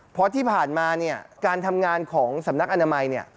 เพราะที่ผ่านมาการทำงานของสำนักอนามัย